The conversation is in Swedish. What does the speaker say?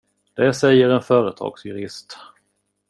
Det säger en företagsjurist.